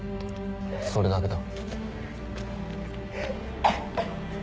それだけだ。